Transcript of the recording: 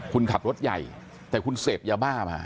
คุณขับรถใหญ่แต่คุณเสพยาบ้ามา